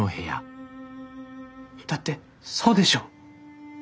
だってそうでしょう？